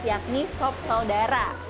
yakni sop saudara